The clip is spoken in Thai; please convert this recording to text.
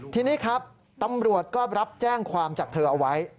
ทีนี้ครับตำรวจก็รับแจ้งความจากเธอเอาไว้